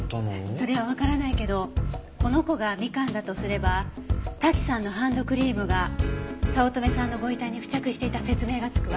それはわからないけどこの子がみかんだとすれば滝さんのハンドクリームが早乙女さんのご遺体に付着していた説明がつくわ。